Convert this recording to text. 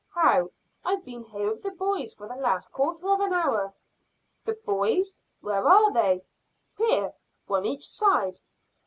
How? I've been here with the boys for the last quarter of an hour." "The boys? Where are they?" "Here, one each side."